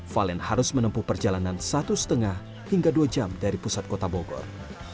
valen harus menempuh perjalanan satu lima hingga dua jam dari pusat kota bogor